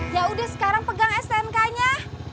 yaudah sekarang pegang stnk nya